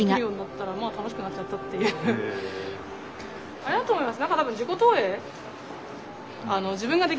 あれだと思います